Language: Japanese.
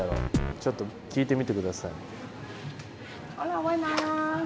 ちょっと聞いてみてください。